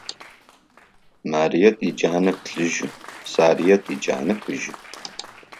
Марыет иджанэ плъыжьы, Сарыет иджанэ фыжьы.